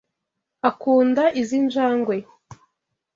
Akunda izi njangwe.